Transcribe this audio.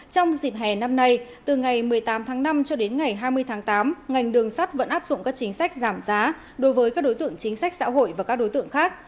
trong dịp hè năm nay từ ngày một mươi tám tháng năm cho đến ngày hai mươi tháng tám ngành đường sắt vẫn áp dụng các chính sách giảm giá đối với các đối tượng chính sách xã hội và các đối tượng khác